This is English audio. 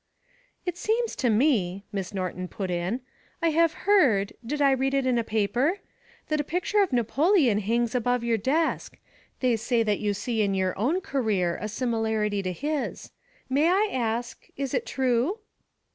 "It seems to me," Miss Norton put in, "I have heard did I read it in a paper? that a picture of Napoleon hangs above your desk. They say that you see in your own career, a similarity to his. May I ask is it true?"